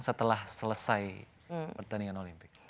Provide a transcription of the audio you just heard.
setelah selesai pertandingan olimpik